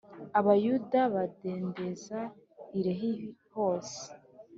Abayuda badendeza i Lehi yose.